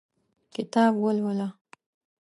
کتاب ولوله !